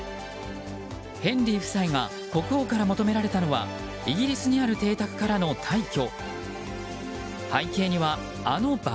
ヘンリー夫妻が国王から求められたのはイギリスにある邸宅からの退去。